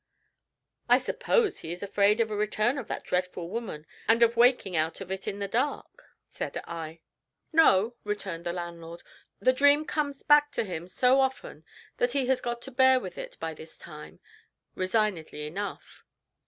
"I suppose he is afraid of a return of that dreadful dream, and of waking out of it in the dark?" said I. "No," returned the landlord. "The dream comes back to him so often that he has got to bear with it by this time resignedly enough.